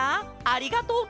ありがとう！